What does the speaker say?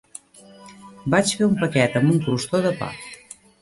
Vaig fer un paquet amb un crostó de pa